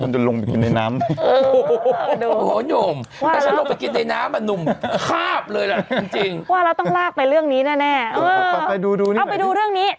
จริงว่าเราต้องลากไปเรื่องนี้แน่เออเอาไปดูเรื่องนี้